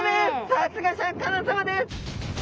さすがシャーク香音さまです。